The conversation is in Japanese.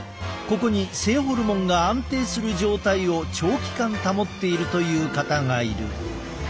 ここに性ホルモンが安定する状態を長期間保っているという方がいる。